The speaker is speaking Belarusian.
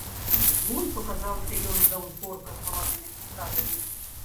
Вунь паказаўся ён з-за ўзгорка з маладымі прысадамі.